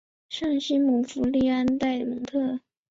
圣西姆福里安代蒙特。